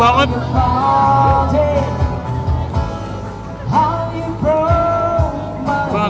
mantap kita coba satu satu dulu